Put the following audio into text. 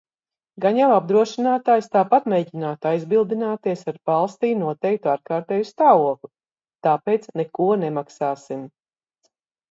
Gan jau apdrošinātājs tāpat mēģinātu aizbildināties ar "valstī noteiktu ārkārtēju stāvokli", tāpēc "neko nemaksāsim".